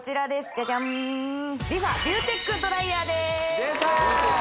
ジャジャンＲｅＦａビューテックドライヤーです出た！